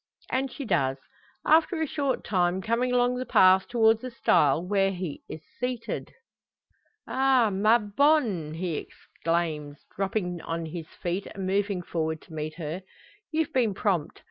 And she does, after a short time; coming along the path towards the stile where here he is seated. "Ah! ma bonne!" he exclaims, dropping on his feet, and moving forward to meet her. "You've been prompt!